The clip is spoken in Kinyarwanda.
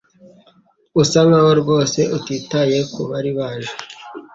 Usa nkaho rwose utitaye kubari baje